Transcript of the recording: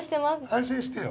安心してよ。